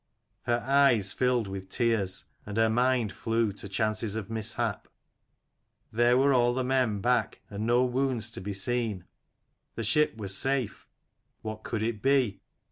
Her eyes filled with tears, and her mind flew to chances of mishap. There were all the men back, and no wounds to be seen : the ship was safe: what could it be?